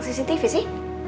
di sini tv sih